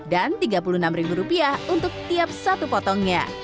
dan rp tiga puluh enam untuk tiap satu potongnya